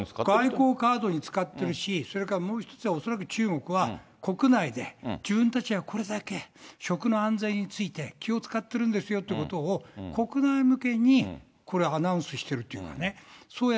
外交カードに使ってるし、それからもう一つは恐らく中国は、国内で、自分たちはこれだけ食の安全について気を遣ってるんですよということを国内向けにアナウンスしてるっていうんですね。